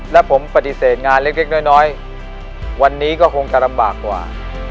และผมปฏิเสธงานเล็กน้อยวันนี้ก็คงจะลำบากกว่า